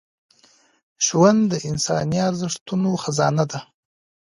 ژوند د انساني ارزښتونو خزانه ده